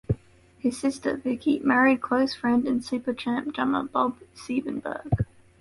His sister, Vickie, married close friend and Supertramp drummer Bob Siebenberg.